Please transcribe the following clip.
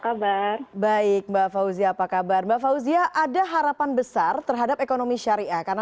kabar baik mbak fauzia apa kabar mbak fauzia ada harapan besar terhadap ekonomi syariah karena